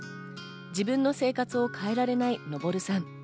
自分の生活を変えられないのぼるさん。